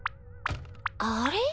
あれ？